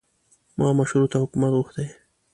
ما مشروطه حکومت غوښتی.